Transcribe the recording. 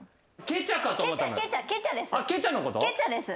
ケチャです。